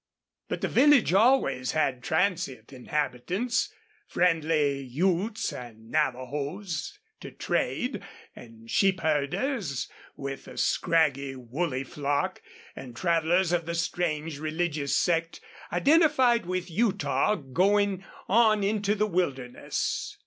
But the village always had transient inhabitants friendly Utes and Navajos in to trade, and sheep herders with a scraggy, woolly flock, and travelers of the strange religious sect identified with Utah going on into the wilderness.